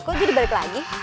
kok jadi balik lagi